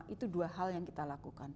itu dua hal yang kita lakukan